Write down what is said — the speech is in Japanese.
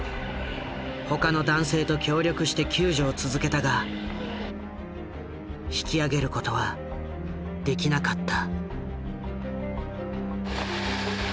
他の男性と協力して救助を続けたが引き上げることはできなかった。